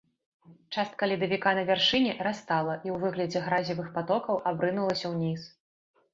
Частка ледавіка на вяршыні растала і ў выглядзе гразевых патокаў абрынулася ўніз.